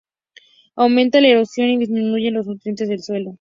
Aumenta la erosión y disminuyen los nutrientes del suelo.